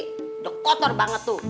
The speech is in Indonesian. sudah kotor banget tuh